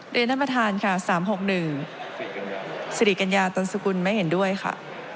เรนด้านประธานค่ะสามหกหนึ่งสถิกัญญาตรงสกุลไม่เห็นด้วยค่ะ